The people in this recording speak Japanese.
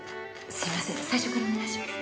すいません最初からお願いします。